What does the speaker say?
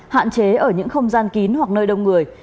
hạn chế ở những không gian kín hoặc nơi đông người